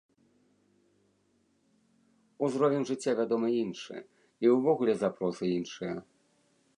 Узровень жыцця, вядома, іншы, і ўвогуле запросы іншыя.